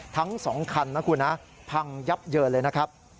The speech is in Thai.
ทั้ง๒คันนะคุณนะพังยับเยินเลยนะครับ